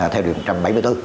theo điều một trăm bảy mươi bốn